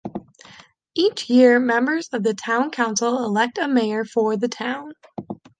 Each year members of the town council elect a mayor for the town.